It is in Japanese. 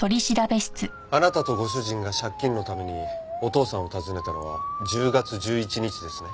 あなたとご主人が借金のためにお父さんを訪ねたのは１０月１１日ですね？